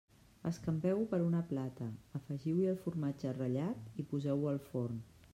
Escampeu-ho per una plata, afegiu-hi el formatge ratllat i poseu-ho al forn.